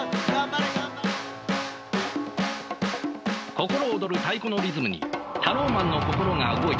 心躍る太鼓のリズムにタローマンの心が動いた。